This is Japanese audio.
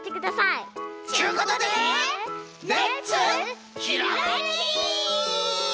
ちゅうことでレッツひらめき！